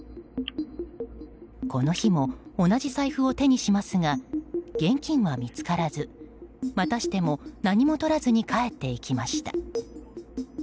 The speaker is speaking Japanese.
この日も同じ財布を手にしますが現金は見つからずまたしても何もとらずに帰っていきました。